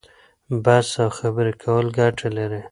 بحث او خبرې کول ګټه لري.